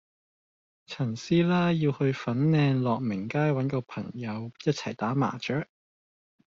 陳師奶要去粉嶺樂鳴街搵個朋友一齊打麻雀